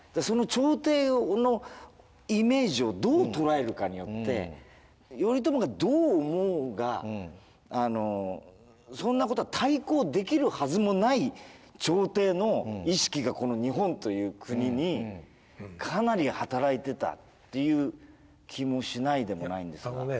その朝廷のイメージをどう捉えるかによって頼朝がどう思おうがそんなことは対抗できるはずもない朝廷の意識がこの日本という国にかなり働いてたという気もしないでもないんですが。